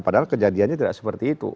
padahal kejadiannya tidak seperti itu